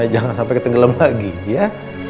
jangan sampe ketenggelem lagi ya